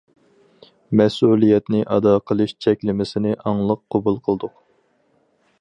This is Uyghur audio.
مەسئۇلىيەتنى ئادا قىلىش چەكلىمىسىنى ئاڭلىق قوبۇل قىلدۇق.